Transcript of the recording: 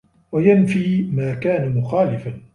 وَيَنْفِيَ مَا كَانَ مُخَالِفًا